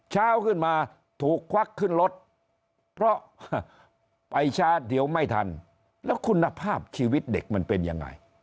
เช้าขึ้นมาถูกควักขึ้นรถเพราะไปช้าเดี๋ยวไม่ทันแล้วคุณภาพชีวิตเด็กมันเป็นยังไง